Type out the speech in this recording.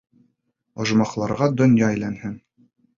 Ожмахтарға донъя әйләнһен.